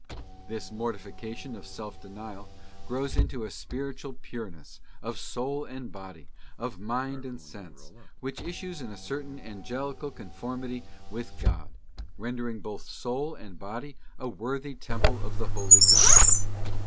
This mortification and self denial grows into a spiritual pureness of soul and body, of mind and sense, which issues in a certain angelical conformity with God, rendering both soul and body a worthy temple of the Holy Ghost.